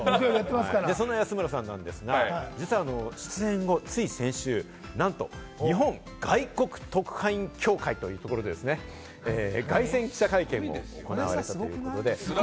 そんな安村さんなんですが、実は出演後、つい先週、なんと、日本外国特派員協会というところでですね、凱旋記者会見を行われたということで。